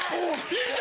いいぞ！